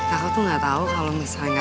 aku tuh gak tau kalau misalnya